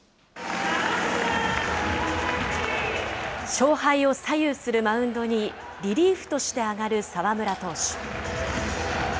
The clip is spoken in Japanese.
勝敗を左右するマウンドにリリーフとして上がる澤村投手。